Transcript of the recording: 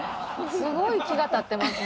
すごい気が立ってますね。